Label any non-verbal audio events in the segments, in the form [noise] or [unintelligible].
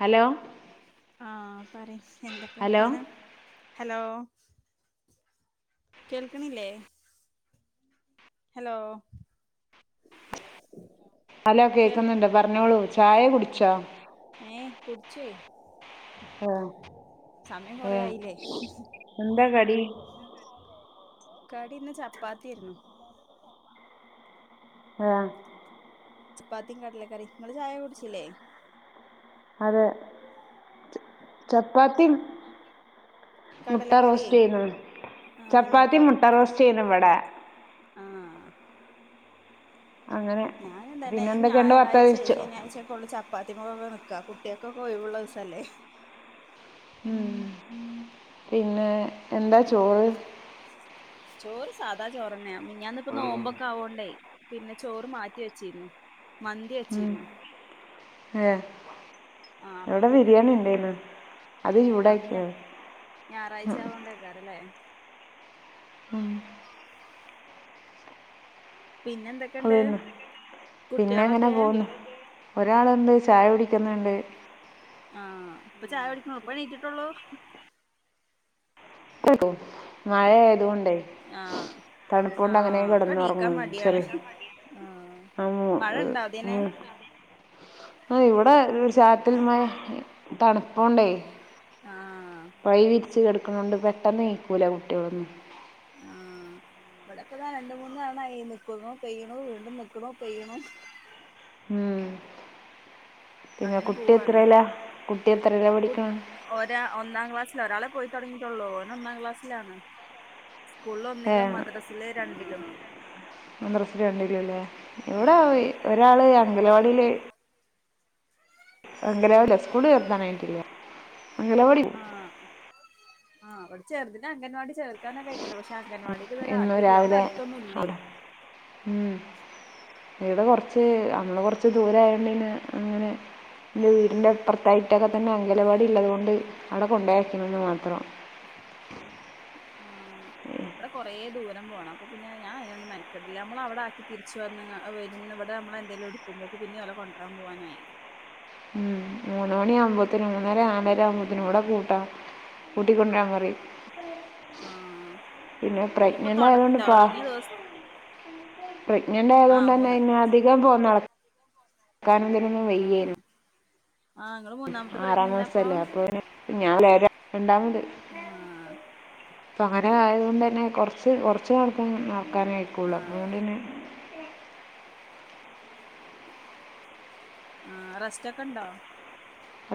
Hello ആഹ് പറയ് എന്തൊക്കെ ഹലോ വർത്താനം ഹലോ കേൾക്കണില്ലേ ഹലോ ഹലോ കേൾ കേക്കുന്നുണ്ട് പറഞ്ഞോളൂ ചായെ ആഹ് കുടിച്ചോ ഏഹ് കുടിച്ചുയ് ആഹ് സമയം കൊറെ ആഹ് ആയില്ലേ എന്താ കടി ന്താകടി കടി ഇന്ന് ചപ്പാത്തിയിരുന്നു ആഹ് ചപ്പാത്തിയും കടല ക്കറിം ഇങ്ങൾ ചായ കുടിച്ചില്ലേ അതെ ചപ്പത്തിം മുട്ട കടലക്കറി റോസ്റ്റ് ചെയ്ത് ആഹ് ചപ്പാത്തി ഇങ്ങക്കോ മുട്ട റോസ്റ്റ് യെനിബടെ ആഹ് അങ്ങനെ ഞാനും തന്നെ പിന്നെ ഈ എന്തൊക്കെയുണ്ട് ഞായാഴ്ച്ച വർത്താനിച്ചോ ശനിയാഴിച്ചക്കെള്ള ച പ്പാത്തിമക്കൊക്കെ നിൽക കുട്ടിയെക്കൊക്കെ ഒയിവുള്ള ദിവസല്ലേ ഉം പിന്നെ എന്താ ചോറ് ചോറ് സാധാ ചോറന്നെ മിഞ്ഞാന് ഇപ്പ നോമ്പൊക്കെ ആവോണ്ടേ പിന്നെ ചോറ് മാറ്റി വെച്ചിരുന്നു മന്തി വെച്ചിരുന്നു എഹ് ആഹ് അപ്പൊ പിന്നെ ഇന്ന് അത് ഏഹ് ഇന്ന് ഞ ചൂടാക്കിയാണ് ഞായറാഴ്ചയോണ്ട് കാരല്ലേ ഉം പിന്നെ എന്തൊക്കെണ്ട് അതന്നെ പിന്നെ അങ്ങനെ കുട്ടിളൊക്കെ പോന്നു ഒരാളുണ്ട് ചായ കുടിക്കുന്നുണ്ട് ആഹ് ഇപ്പൊ ചായ കുടിക്കണള്ളു ഇപ്പ എണീറ്റിട്ടോള്ളൂ [unintelligible] മഴ ആയതൊണ്ടേ ആഹ് തണുപ്പുണ്ട് അങ്ങനെ ആഹ് ഒക്കെ എണീക്കാൻ കിടന്നുറങ്ങും ചെല മടിയാണ് ആഹ് മഴ ഇണ്ട അതിന് ആഹ് ഇവിടെ ഒരു ചാറ്റൽ മഴ തണുപ്പുണ്ടേ ആഹ് പൈ വിരിച്ച് കടക്ക്ണോണ്ട് പെട്ടെന്ന് നീകൂല കുട്ടികളൊന്നും ആഹ് ഇവിടെപ്പതാ രണ്ട് മൂന്ന് തണയി നിക്കുന്നു പെയ്യ്ണു വീണ്ടും നിക്കുണു പെയ്യ്ണു ഉം പിന്നെ അങ്ങനെ കുട്ടി പോവാണ് എത്രല്ല കുട്ടി എത്രല്ല കു പടിക്ക്ണ് ഒരാ ഒന്നാം ക്ലാസ്സില ഒരാളെ പോയി തുടങ്ങിട്ടുള്ളൂ ഓന് ഒന്നാം ക്ലാസ്സിലാണ് സ്കൂളി ഒന്നിലും മദ്രാസില് രണ്ടിലും മദ്രസയിൽ രണ്ടിലും അല്ലേ ഇവിടെ ആഹ് ഒരാള് അംഗലവാടില് അംഗനവാടിയ സ്കൂള് ചേർത്താനായിട്ടില്ല അംഗനവാടി ആഹ് ആഹ് ഇവിടെ ചെറുതിന്നെ അംഗൻവാടി ചേർക്കാനൊകെ ആഴിക്ക്ണ് പക്ഷെ ന്നങ്ങൻവാടിക്ക് ഇത് വരെ എന്നും ആക്കിട്ടില്ല രാവിലെ ഇവിടട്ത്തൊന്നും ഇല്ലേ അവിടെ ഉം ഇടെ കൊർച്ച് അന്ന് കൊർച്ച് ദൂരായോണ്ട് പിന്നെ അങ്ങനെ ന്റെ വീടിൻ്റെ അ പ്പർത്തായിട്ടൊക്കെത്തെന്നെ അങ്കലവാടി ള്ളതുകൊണ്ട് അവടെ കൊണ്ടയാക്കിണ്ന്ന് മാത്രം ആ ഇവടെ കൊറേ ദൂരം പോണം അപ്പൊ പിന്നെ ഞാൻ അയ്നൊന്നും മെനക്കടലില്ല നമ്മളവടാക്കി തിരിച്ച് വന്ന് അ വെരും ന്ന് ഇവടെ നമ്മളെന്തെലുംട്ക്കുമ്പോക്ക് പിന്നിം ഓലെ കൊണ്ട്രാൻ പോവാനായി ഉം ഉം മൂന്ന് മണിയാവുമ്പോത്തിനും മൂന്നര നാലര ആകുമ്പോത്തിനും ഇവടെ കൂട്ടാം കൂട്ടിക്കൊണ്ടരാൻ പറിം ആഹ് പിന്നെ പിന്നെപ്പോ പ്രഗ്നന്റ് തൊട ആയതൊണ്ട്പ്പാ തൊടങ്ങിയ ദിവസം ആഹ് പ്രഗ്നന്റായതോണ്ട്ന്നെ മൂന്ന് അതിന് അധികം പോ നടക്കാനും ഇതിനൊനും വെയ്യേനും ആ ഇങ്ങളെ മോന് ആറാം മാസല്ലേ അപ്പോന് [unintelligible] രണ്ടാള്ണ്ട് ആഹ് അപ്പൊ അങ്ങനെ ആയതോണ്ട്ന്നെ കൊർച്ച് കൊർച്ച് നടത്തം നടക്കാനെ ക്കൊള്ളു അപ്പൊ ആഹ് പിന്നെ ആ റസ്‌റ്റോക്കെ ണ്ടോ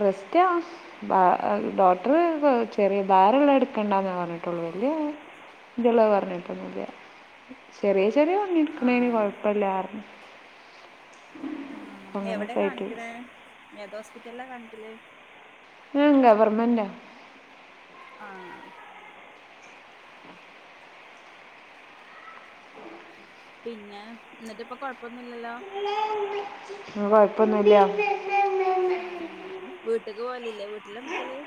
റെസ്റ്റ ഡോ ഡോക്ടർ ചെറിയ ഭാരള്ളത് ഇട്ക്കണ്ടാന്നാ പർഞ്ട്ടൊള്ളു വല്യ ത്ള്ളത് പർഞ്ട്ടൊന്നുല്ല ചെറിയ ചെറിയ പണിട്ക്ക്ണേന് ആഹ് കൊഴപ്പല്ലാർഞ്ഞു ആ എവടെ ആയിട്ട് കാണിക്ക്ണ് ഏതോസ്പിറ്റല്ലാ കാണിക്കല് ഞാൻ ഗവർമെന്റ ആ പിന്നെ ന്ന്ട്ട്പ്പൊ കൊഴപ്പൊന്നുല്ലല്ലോ ഉം കൊഴപ്പൊന്നുല്ല ആ വീട്ട്ക്ക് പോവലില്ലേ വീട്ട്ലാ നിക്കല്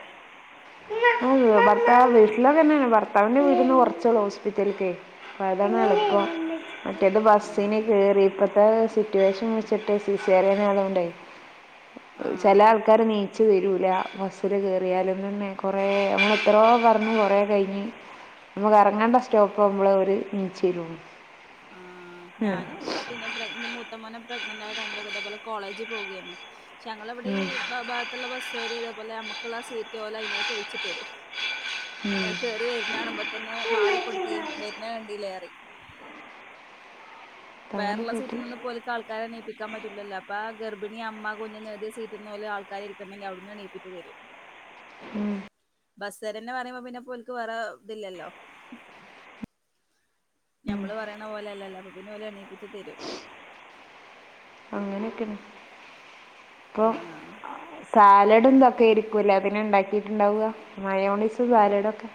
ആ ഭർത്താവ് വീട്ടിലതന്നെണ് ഭർത്താവിന്റെ വീട്ട്ന്ന് കൊർച്ചൊള്ളു ഹോസ്പിറ്റൽക്കെ അപ്പതാണ് ആഹ് എളുപ്പം മറ്റേത് ആഹ് ബസ്സിന് കേറി ഇപ്പത്തെ സിറ്റുവേഷൻ വെച്ച് പ്പട്ടത് സീസേറിയനായതോണ്ടെ ചെലേ ആഹ് ആൾക്കാര് നീ ച്ച് തെരൂല ബസ്സില് കേറിയാലും ന്തെന്നെ കൊറേ ഞമ്മളെ എത്രോ പർഞ് കൊറെ കയ്ഞ്ഞ് നമ കറ ർങ്ങണ്ട സ്റ്റോപ്പാവുമ്പളെ ഓല് നീച്ചെരുള്ളൂ ആ ഞാന് പിന്നെ പ്രഗ് മൂത്ത മോനെ പ്രഗ്നനെന്റായ ടൈമിലൊക്ക ഇതേപോലെ കോളേജ് പോകേന്നു ശെ ഞങ്ങളെവടീ ഭ ഭാഗത്ത്ള്ള ബസ്സാര് ഇതേപോലെ ഞമ്മക്ക്ള്ളാ സീറ്റ് ഓലയ്നായിട്ട് ഒയ്ച്ച്ട്ടെരും ഞാൻ കേറി വെര്ണ കാണുമ്പോത്തെന്നെ മാറി കൊട്ക്കി വെര്നെ കണ്ടിലെ പറയും വേറെള്ള അങ്ങനെയൊക്കെ ആയിട്ട് സീറ്റ്ന്നൊന്നുംപ്പോല്ക്ക് ആൾക്കാരെ ണീപ്പി ക്കാൻ പറ്റൂല്ലല്ലോ അപ്പാ ഗർഭിണി അമ്മ കുഞ്ഞ്ന്നെഴുതിയ സീറ്റ്ന്നോല് ആൾക്കാരിക്ക്ണ്ടെങ്കില് അവ്ട് ന്ന് എണീപ്പിച്ച് തെരും ഉം ബസ്സാരെന്നെ പറയുമ്പോ പിന്നെപ്പോൽക്ക് വേറെ ഇത് ല്ലല്ലോ ഞമ്മള് പറയണ പോലല്ലല്ലോ അപ്പൊപ്പിന്നോല് എണീപ്പിച്ച് തെരും അങ്ങനൊക്കെണ് ഇപ്പൊ ആഹ് സാലഡും ഇതൊക്കെരിക്കൂല്ലേ അതിന് ണ്ടാക്കിറ്റ്ണ്ടാവ മയോണയ്സും സാലഡൊക്കെ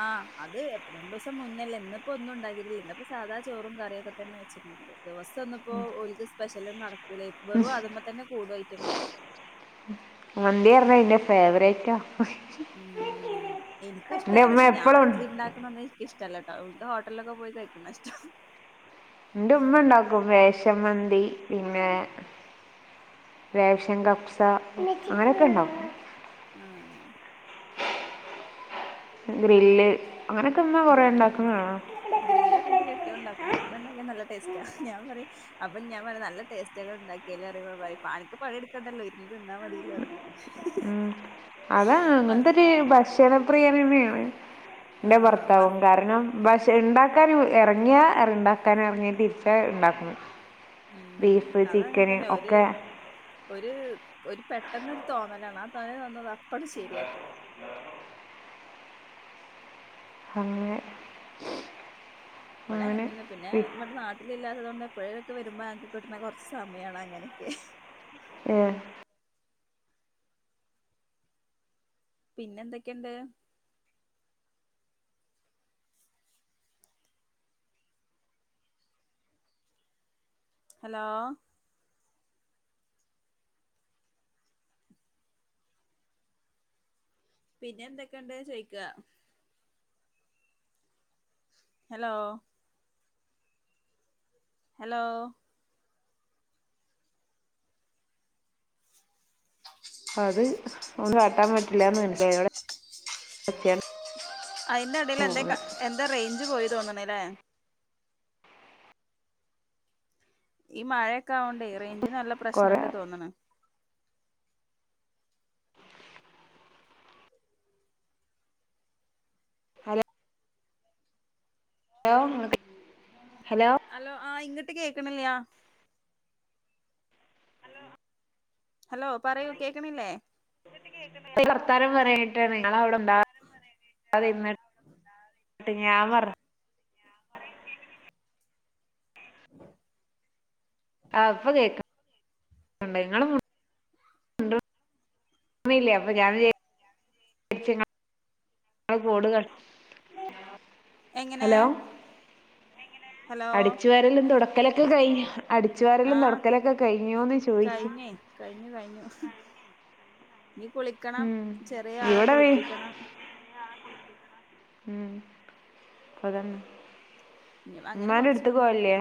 ആ അത് രണ്ടുസം മുന്നല്ലേ ഇന്ന്പ്പോ ഒന്നും ഉണ്ടാക്കിട്ടില്ല ഇന്ന്പ്പോ സാധാ ചോറും കറിം ഒക്കെ തന്നെ വെച്ച്ക്ക്ന്നത് ദിവസം ന്ന്പ്പോ ഓൽക്ക് സ്പെഷ്യലൊന്നും നടക്കൂലേ വെറും അതുമത്തെന്നെ കൂടും ഐറ്റങ്ങളേ മന്തിപർഞ ന്റെ ഫേവറേറ്റാ ഉം ഇൻക്കും ഇഷ്ട എൻ്റെ ഉമ്മ പക്ഷെ ഞാൻ വെ എപ്പോഴും ണ്ടാക്ക്ണൊന്നും ഇൻക്കിഷ് ട്ടല്ലട്ടോ ഫുഡ് ഹോട്ടൽലൊക്കെ പോയി കഴിക്ക്ണാഷ്ടം ന്റെ ഉമ്മണ്ടാക്കും റേഷമ്മന്തി പിന്നെ റേഷൻ കഫ്സ അങ്ങനൊക്കെ ണ്ടാക്കും ആഹ ഗ്രില്ല് അങ്ങനെക്കെമ്മ കുറെ ഗ്രില്ല് ഉം ഉണ്ടാക്കുന്നതാണ ഗ്രില്ലൊക്കെ ഇട്ട് കെട്ടി യോൻഉണ്ടാക്കും. കെട്ടി യോൻണ്ടാക്കിയാ നല്ല ടേസ്റ്റേ ഞാൻ പറയും അപ്പം ഞാൻ പറയും. നല്ല ടേസ്റ്റനിങ്ങൾ ഉണ്ടാക്കിയാലേ അറിയ അനക്ക് പണി എടുക്കണ്ടല്ലോ ഇരുന്ന് തിന്ന മതിയല്ലോ ഇന്നോട് ഉം അതാ അങ്ങനത്ത ഒരു ഭക്ഷണപ്രിയതനിയാണ് ന്റെ ആഹ് വ ഭർത്താവും കാരണം ബക്ഷ ഉണ്ടാക്കാനും ഇറങ്ങിയാ ഉണ്ടാക്കാന ഇറങ്ങിയ തിരിച്ച ഉണ്ടാക്കു ഉം അത അങ്ങനെ തന്നെ ഒരു. ഒക്കെ ഒരു ഒരു പെട്ടെന്നൊരു തോന്നലാണ് ആ തോന്നൽ വന്നത് അപ്പണ്ട് ശരിയാക്കണം അങ്ങനെ ഇവിടെ അങ്ങനെ എങ്ങന്നെ തന്നെ പിന്നെ പി ഇവിടെ നാട്ട [unintelligible] അ ഇല്ലാത്തത് കൊണ്ട് എപ്പോഴുംക്കെ വരുമ്പോ ങ്ങക്ക് കിട്ടുന്ന കുറച്ച് സമയമാണ് അങ്ങനെയൊക്കെ ഏഹ് പിന്നെ എന്തൊക്കെയുണ്ട് ഹലോ പിന്നെ എന്തൊക്കെയുണ്ട് ചോയിക്ക ഹലോ ഹലോ [inaudible] അ അത് ഒന്നും കാട്ടാൻ പറ്റില്ലന്ന് കണ്ടില്ലേ അതോടെ അയിന്റെടയിൽ എന്ത പോകുന്നത് എന്താ റേഞ്ച് പോയി തോന്നുണല്ലേ ഈ മഴയൊക്കെവണ്ടേ റേഞ്ചിന് നല്ല കുറേ പ്രശ്നണ്ട് തോന്നണ് ഹലോ ഹലോ ഹലോ ആഹ ഇങ്ങിട്ട് കേൾക്കണില്ലയാ ഹലോ പറയൂ കേൾക്കണില്ലേ കർത്താരം പറയട്ടെ നിങ്ങളവിടെ [inaudible] [unintelligible] എന്നട്ട് ഞാൻ പറഞ്ഞ [inaudible] ആ ഇപ്പൊ കേക്ക നിങ്ങള ല്ലേ അപ്പൊ ഞാൻ വിചാരിച് [unintelligible] ടുക എങ്ങനെ ഹലോ ഹലോ അടിച്ചു വരെല്ലും തുടക്കലൊക്കെ കഴിഞ്ഞൊ അടിച്ചു ആ വാരല്ലും തുടക്കലൊക്കെ കഴിഞ്ഞോന്ന് ചോദിച്ചു. കഴിഞ്ഞേ കഴിഞ്ഞു കഴിഞ്ഞു കുളിക്കണം ഉം ചെറിയ ആളെ ഇവിടെ വി കുളിപ്പിക്കണം ഉ അതന്നെ അങ്ങനെ ഉമ്മാന്റെ കൊറച്ച് അടുത്ത്ക്ക് പെണ്ണൾണ്ട് പോവലില്ലേ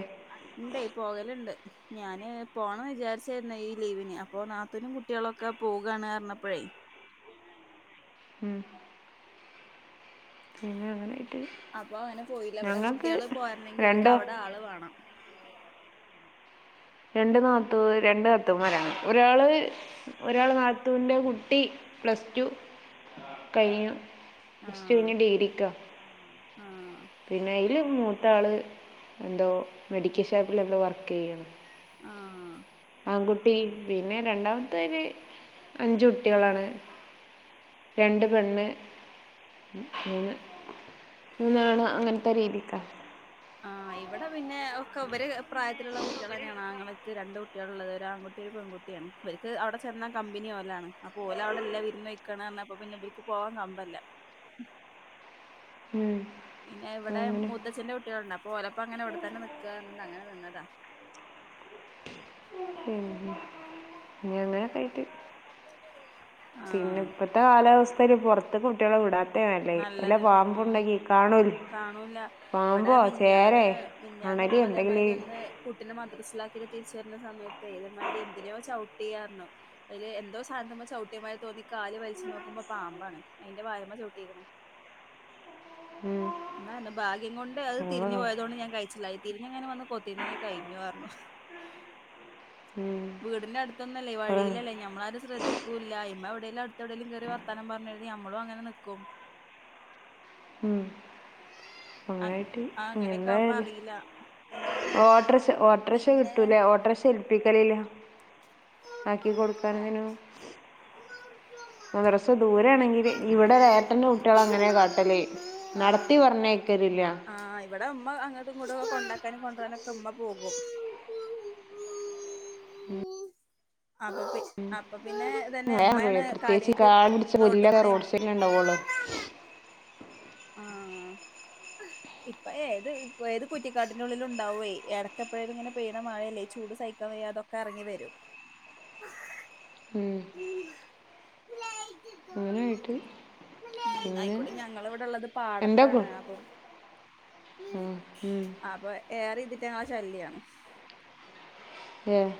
ഇണ്ട് പോകല്ണ്ട് ഞാന് പോണംന്ന് വിചാരിച്ചായിരുന്നു ഈ ലീവിന് അപ്പോ നാത്തനുംകുട്ടി. കുട്ടിളൊക്കെ പോകാണ് റഞ്ഞപ്പഴേ [inaudible] പിന്നന്നെ അങ്ങനെ അപ്പൊ അങ്ങനെ പോയില്ല ഇവിടെ കുട്ടിള് പോരണങ്കിൽ ഓല്ക്ക് രണ്ട് അവിടെ ആള് വേണം രണ്ട് നാത്തു രണ്ട് നാത്തുമാരാണ് ഒരാള് ഒരാള് നാത്തൂന്റെ കുട്ടി പ്ലസ് ടു കഴിഞ്ഞ് ഫസ്റ്റ് കഴിഞ്ഞ് ഡിഗ്രിക്കാൻ ആഹ് പിന്നെ അതിൽ മത്തആൾ എന്തോ മെഡിക്കൽ ഷാപ്പിൽ എന്തോ വർക്ക് ചെയ്യണ ആഹ് ആൺകുട്ടി പിന്നെ രണ്ടാമത്തെര് അഞ്ചു കുട്ടികളാണ് രണ്ട് പെണ്ണ് മൂന്നാണ് അങ്ങനത്തെ രീതിക്കാണ് ആ ഇവിടെ പിന്നെ ഒക്കെ ഇരെ പ്രായത്തിലുള്ള കുട്ടിൾ തന്നെയണ അങ്ങെ. നക് രണ്ട് കുട്ടികളള്ളത് ഒരു ആൺുട്ടി ഒരു പെൺകട്ടിയാണ് അവർക്ക് അവിടെ ചെന്നാ കമ്പനി ഓലാണ് അപ്പോ ഓലവ്ടെല്ല വിരോന്നോയ്.. ക്കാണ് പറഞ്ഞപ്പ പിന്നെ ഇവർക്ക് പോവാൻ കമ്പല്ല. ഉം പിന്നെ ഇവിടെ മൂത്തച്ഛ്ന്റെ കുട്ടിള്ണ്ട് അപ്പൊ ഓലപ്പങ്ങനെ ഇവിടെത്തന്നെ നിൽക്കാറുണ്ട് അങ്ങനെ നിന്നതാ. പിന്നെ ഇനി അങ്ങനെയൊക്കെ ആയിട്ട് [unintelligible] പിന്നെ ആഹ് ഇപ്പോത്തെ കാലാവസ്ഥയിൽ പൊറത്ത് കുട്ടികളെ വിടാത്ത നല്ലേ വല്ലാ നല്ലത് ആഹ് പാമ്പണ്ടെങ്കിൽ കാണൂല്ല. കാണൂല്ല ഇവിടെ മിഞ്ഞാന്ന് അണലി മിഞ്ഞാന്ന്മ്മതെ മാതിരി എന്തെങ്കിലും ഒന്ന് കുട്ടിനെ മദ്രസിലാക്കിയിട്ട് തിരിച്ച വരുന്ന സമയത്ത് ഇ തെ മാതിരി എന്തിനൊ ചൗട്ടി ർഞ്ഞു അയ്ല് എന്തോ സാധനത്തുമ്മൽചൗട്ടി മാരി തോന്നി കാല് വലിച്ചു നോക്കുമ്പോ പാമ്പാണ് അയിന്റെ വാല്മ്മച്ചവീട്ടികന് ഉം ഇമ്മറിഞ്ഞു ഭാകിം കൊണ്ട് തിരിഞ്ഞ് അതാണ് പോയതൊണ്ട് ഞാൻ കഴിച്ചില്ലായി തിരിഞ്ഞഞ് ങ്ങനെ വന്ന് കൊത്തിരുന്നെങ്കി കഴിഞ്ഞുറഞ്ഞു. ഉം വീടിന്റെ അടുത്തൊന്നല്ല അതാണ് വഴയിലല്ലേ ഞമ്മളാരും ശ്രേദ്ധിക്കുല്ലാ ഇമ്മ എവിടെേലും അടുത് കയറി വർ വർത്താനം പറഞ്ഞ കരുതി നമ്മളും അങ്ങനെ നിക്കും ഉം ആ അങ്ങനായിട്ട് അങ്ങനെക്കെ ആകുമ്പ അറില്ല ഓട്ടക്ഷ ഓട്ടക്ഷ കിട്ടൂല്ലേ ഓട്ടക്ഷ ഏൽപ്പിക്കലില്ലേ ആക്കി കൊട്ക്കാനെന്നു. മദ്രസ് ദൂരെണെങ്കിൽ ഇവിടെവേറെ ഇപ്പന്റെ കുട്ടിയാളെ അങ്ങനെകാട്ടല് ആഹ് നടത്തിപറഞ്ഞേക്കലില്ല. ആഹ് ഇവടെ ഇമ്മഅങ്ങടുംഇങ്ങടും കൊണ്ടാക്കാനും കൊണ്ടരനൊക്കെ ഇമ്മപോകും. ഉം അപ്പെച്ച് അപ്പൊ പിന്നെ ഇതെന്നെ മഴ ആകുമ്പോഴേ ഉമ്മെണ് കാര്യമായിട്ട് റോട്ട്കുടിം ട്ടേണ്ടാവൊള്ളൂ ആഹ് ഇപ്പഏത് ഏത് കുറ്റിക്കാടിന്റെള്ളിലും ഇണ്ടാവേ എടക്കപ്പഴേലും ഇങ്ങനെ പെയ്യ്ണ മഴയല്ലേചൂട് സഹിക്കാൻയ്യാതൊ എറങ്ങി വെരും. ഉം അങ്ങനെ ആയിട്ട് ഉം പിന്നെ അയ്ക്കുടെ ഞങ്ങളഇവിടെള്ളത് പാ എന്താ പാടത്താണ് കൊ- അപ്പം ആ, ഉം. അപൊ ഏറെഇതിറ്റങ്ങളെശല്യാണ്. ഏഹ്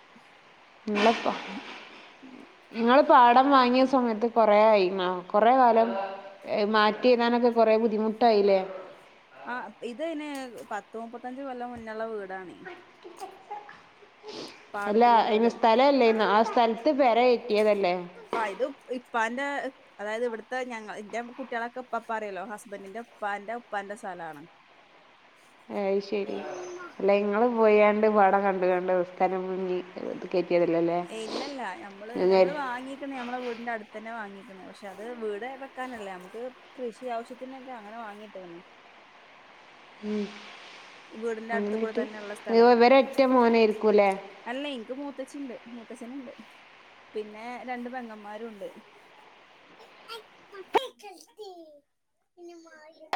[inaudible] ഇങ്ങളെപ്പ നിങ്ങൾപാടം വാങ്ങിയസമയത്ത് കുറായിമാ കൊറെകാലംമാറ്റി ഏ എയുതാനൊക്കെ കൊറെബുദ്ധിമുട്ട് ട്ടായ്ലേ ആഹ് ഇത്ന്നെ പത്ത് മുപ്പത്തഞ്ച് കൊല്ലം മുന്നള്ളവീടാണേ അല്ല പാടത്തുള്ള അയ്ന് വീട് സ്ഥലല്ലേയ്നോ ആ സ്ഥൽത്ത് പെരകയറ്റിയതല്ലേ? ആഹ് ഇത്പ്പ ഇപ്പാന്റെ അതായത് ഇവ്ട്ത്തെ ഞങ്ങൾ ഇന്റെ കുട്ടികളൊക്കെ ഇപാപ്പാന്ന് പറയാലോ ഹസ്ബെന്റിന്റെ ഉപ്പാന്റെ ഉപ്പാന്റെ സലാണ്. എയ് ശെരി അല്ലഇങ്ങള് പോയണ്ട് പാടം കണ്ടാണ്ട് സ്ഥാലംവാങ്ങി. കേറ്റിയത് അല്ല ലേ [unintelligible] ഏയ് ഇല്ലല്ല ഞമ്മള് ഞമ്മള് വാങ്ങി ക്ക്‌ന്നെ ഞമ്മളെ വീടിന്റെഅടുതെന്നെ വാങ്ങിക്ക്‌ണ് പക്ഷെഅത് വീട് വെക്കാനല്ലേ ഞമ്മക്ക് കൃഷി ആവശ്യത്തിനൊക്കെ അങ്ങനെ വാങ്ങിട്ട്ക്ക്‌ണ്. ഉം വീടിന്റെ അടുത്ത് കൂടെ അങ്ങനായ്ട്ട് തന്നെയുള്ള സ്ഥലങ്ങള് ഇവരൊറ്റ മോനായിരിക്കുലേ? അല്ല ഇൻക്ക് മൂത്തച്ചിണ്ട് മൂത്തച്ഛന്ണ്ട്. പിന്നെ രണ്ട് പെങ്ങന്മാരുണ്ട്.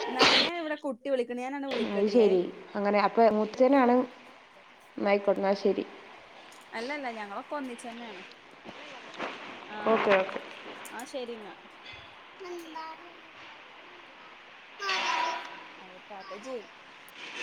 എന്നാലെ ഞാനിവടെ കു കുട്ടിവിളിക്ക്‌ണ് ഞാന്ങ്ങണ് അത് വിളിക്കാട്ടി ലേ. ശരി അങ്ങനെ അപ്പെ മുത്തുഛെനാണ് ന്നയ്ക്കോട്ടേ. അല്ലല്ലാ ഞങ്ങളൊക്കെ ഒന്നിച്ചെന്നെണ് ആഹ് ഓക്കെ ഓക്കെ ആഹ് ശെരിന്നാ. അതൊരുതാത്ത ഇജ്ജ്